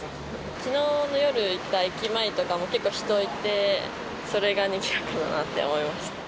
きのうの夜行った駅前とかも結構人いて、それがにぎわってるなって思いました。